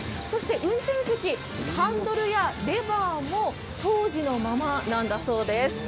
そして運転席、ハンドルやレバーも当時のままなんだそうです。